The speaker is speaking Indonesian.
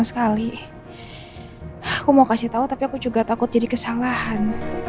aku mau kasih tahu tapi aku juga takut jadi kesalahan